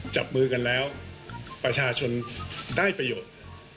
จับมือกันแล้วประชาชนได้ประโยชน์